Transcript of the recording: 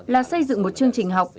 là xây dựng một chương trình học